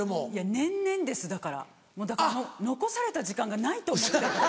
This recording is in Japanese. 年々ですだからだからもう残された時間がないと思って。